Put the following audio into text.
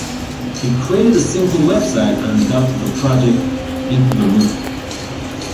He created a simple website and dubbed the project "Paint the Moon".